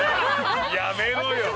やめろよ。